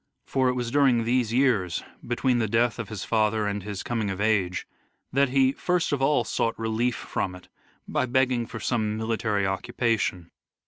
For it was during these years, between the death of his father and his coming of age, that he first of all sought relief from it by begging for some military occupation.